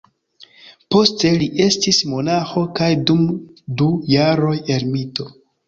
Poste li estis monaĥo, kaj dum du jaroj ermito.